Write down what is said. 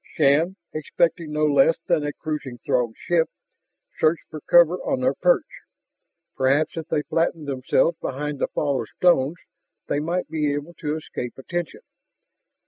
Shann, expecting no less than a cruising Throg ship, searched for cover on their perch. Perhaps if they flattened themselves behind the fall of stones, they might be able to escape attention.